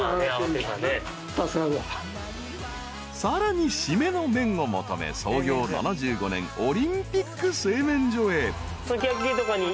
［さらに締めの麺を求め創業７５年オリンピック製麺所へ］